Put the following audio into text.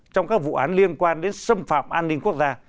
trong các vụ án liên quan đến xâm phạm an ninh quốc gia